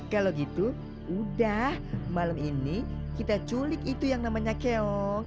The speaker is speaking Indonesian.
kalau gitu udah malam ini kita culik itu yang namanya keong